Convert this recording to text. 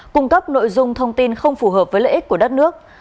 cung cấp nội dung thông tin không phù hợp với lợi ích của đất nước